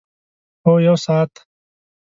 هو، یوه ساعت